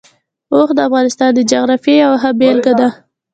اوښ د افغانستان د جغرافیې یوه ښه بېلګه ده.